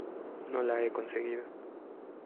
no la he conseguido.